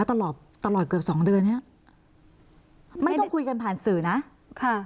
ตลอดตลอดเกือบสองเดือนเนี้ยไม่ต้องคุยกันผ่านสื่อนะค่ะ